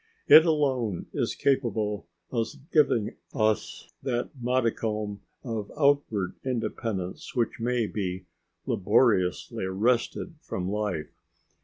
It alone is capable of giving us that modicum of outward independence which may be laboriously wrested from life.